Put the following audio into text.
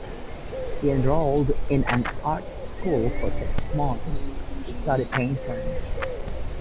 He enrolled in an art school for six months to study painting.